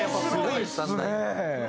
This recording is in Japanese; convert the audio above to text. すごいっすね。